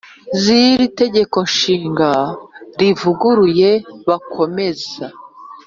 Z’iri Tegeko Nshinga rivuguruye bakomeza